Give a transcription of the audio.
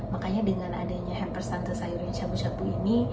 makanya dengan adanya hampers tante sayur syabu syabu ini